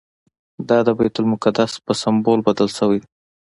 دا د بیت المقدس په سمبول بدل شوی دی.